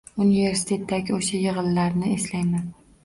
Universitetdagi o’sha yig‘inlarni eslayman.